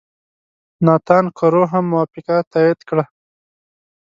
ناتان کرو هم موافقه تایید کړه.